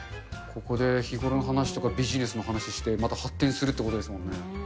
ここで日頃の話とか、ビジネスの話して、また発展するということですもんね。